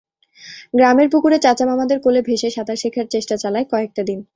গ্রামের পুকুরে চাচা মামাদের কোলে ভেসে সাঁতার শেখার চেষ্টা চালায় কয়েকটা দিন।